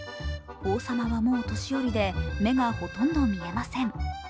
王様はもう年寄りで目がほとんど見えません。